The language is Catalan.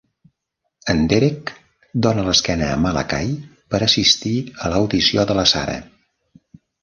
En Derek dóna l'esquena a Malakai per assistir a l'audició de la Sara.